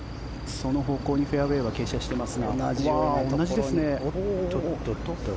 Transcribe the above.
その方向にフェアウェーは傾斜してますが同じですね。